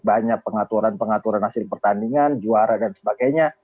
banyak pengaturan pengaturan hasil pertandingan juara dan sebagainya